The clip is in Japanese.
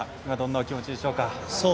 今、どんなお気持ちでしょうか？